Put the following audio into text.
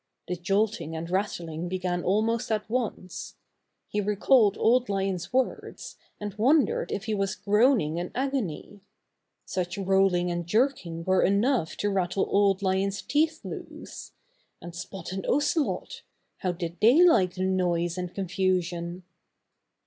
The jolting and rattling began almost at once. He recalled Old Lion's words, and wondered if he was groaning in agony. Such rolling and jerking were enough to rattle Old Lion's teeth loose. And Spot and Ocelot! How did they like the noise and confusion?